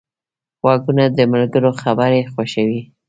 غوږونه د ملګرو خبرې خوښوي